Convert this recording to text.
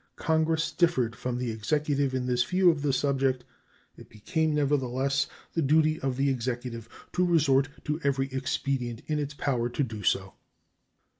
Congress differed from the Executive in this view of the subject. It became, nevertheless, the duty of the Executive to resort to every expedient in its power to do so.